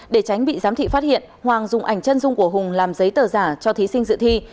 để tránh bị giám thị phát hiện hoàng dùng ảnh chân dung của hùng làm giấy tờ giả cho thí sinh dự thi